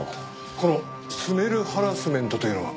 この「スメルハラスメント」というのは？